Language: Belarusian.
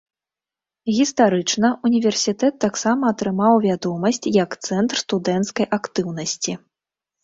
Гістарычна ўніверсітэт таксама атрымаў вядомасць як цэнтр студэнцкай актыўнасці.